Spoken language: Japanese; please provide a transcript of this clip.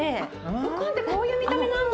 あっウコンってこういう見た目なんだ。